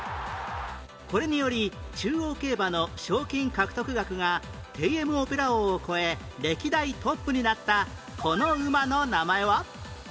これにより中央競馬の賞金獲得額がテイエムオペラオーを超え歴代トップになったこの馬の名前は？